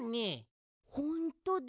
ほんとだ。